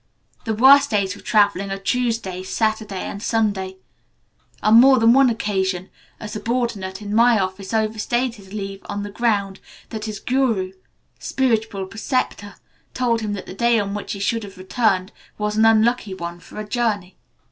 The worst days for travelling are Tuesday, Saturday, and Sunday. On more than one occasion, a subordinate in my office overstayed his leave on the ground that his guru (spiritual preceptor) told him that the day on which he should have returned was an unlucky one for a journey.